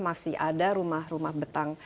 masih ada rumah rumah betang